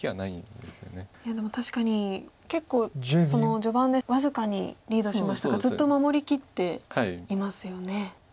いやでも確かに結構序盤で僅かにリードしましたがずっと守りきっていますよね。